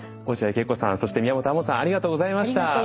落合恵子さんそして宮本亞門さんありがとうございました。